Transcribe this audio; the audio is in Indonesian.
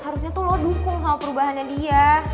harusnya tuh lo dukung sama perubahannya dia